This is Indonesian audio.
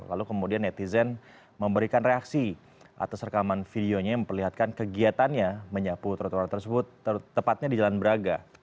lalu kemudian netizen memberikan reaksi atas rekaman videonya yang memperlihatkan kegiatannya menyapu trotoar tersebut tepatnya di jalan braga